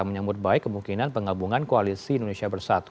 menyambut baik kemungkinan penggabungan koalisi indonesia bersatu